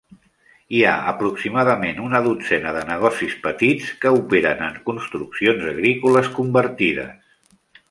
Hi ha aproximadament una dotzena de negocis petits que operen en construccions agrícoles convertides.